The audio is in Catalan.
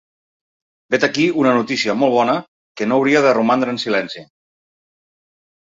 Vet aquí una notícia molt bona que no hauria de romandre en silenci.